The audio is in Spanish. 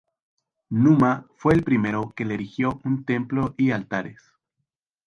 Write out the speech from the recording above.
Numa fue el primero que le erigió un templo y altares.